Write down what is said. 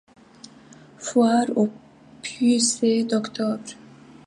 Foire aux puces d'octobre.